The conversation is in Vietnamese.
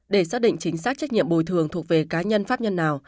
để xác định chính xác trách trách nhiệm bồi thường thuộc về cá nhân pháp nhân nào